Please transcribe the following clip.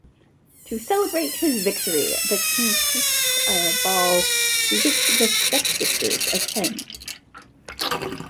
To celebrate his victory, the king hosts a ball to which the stepsisters attend.